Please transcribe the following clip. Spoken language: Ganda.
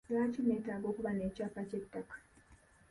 Lwaki neetaaga okuba n'ekyapa ky'ettaka?